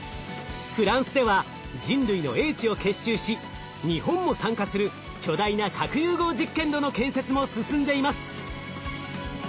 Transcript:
フランスでは人類の英知を結集し日本も参加する巨大な核融合実験炉の建設も進んでいます。